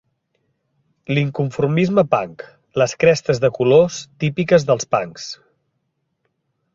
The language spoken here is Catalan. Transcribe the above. L'inconformisme 'punk'.Les crestes de colors típiques dels 'punks'.